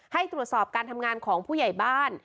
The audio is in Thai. ให้ตรวจสอบการทำงานของผู้ใหญ่บ้าน